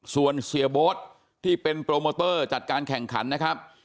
ส่วนเสียโบ๊ทที่เป็นโปรโมเตอร์จัดการแข่งขันนะครับ